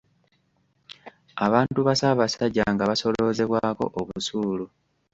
Abantu ba Ssaabasajja nga basoloozebwako obusuulu.